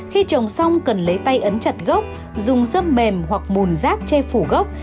khi trồng xong cần lấy tay ấn chặt gốc dùng dơm mềm hoặc mùn rác che phủ gốc